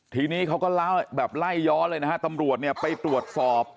ทีนี้เขาก็เล่าย้อนเลยตำรวจไปตรวจสอบ